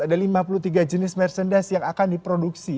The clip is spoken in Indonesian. ada lima puluh tiga jenis merchandise yang akan diproduksi